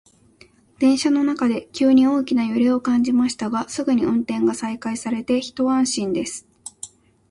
電車の中で急に大きな揺れを感じましたが、すぐに運転が再開されて一安心です。